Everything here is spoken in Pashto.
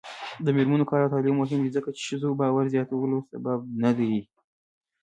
د میرمنو کار او تعلیم مهم دی ځکه چې ښځو باور زیاتولو سبب دی.